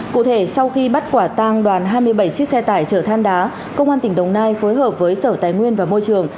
cụ thể sau khi bắt quả tang đoàn hai mươi bảy chiếc xe tải chở than đá công an tỉnh đồng nai phối hợp với sở tài nguyên và môi trường